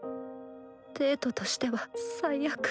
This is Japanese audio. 「デート」としては最悪。